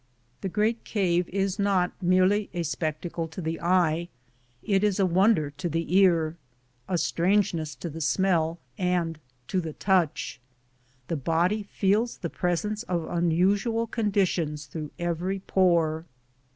The great cave is not merely a spectacle to the eye; IN MAMMOTH CAVE 243 it is a wonder to the ear, a strangeness to the smell and to the touch. The body feels the presence of unusual conditions through every pore.